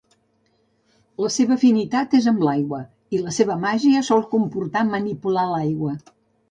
La seva afinitat és amb l'aigua, i la seva màgia sol comportar manipular l'aigua.